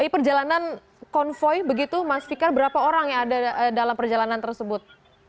perjalanan konvoy begitu mas fikar berapa orang yang ada dalam perjalanan tersebut